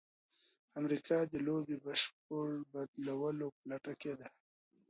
امریکا د لوبې د بشپړ بدلولو په لټه کې ده.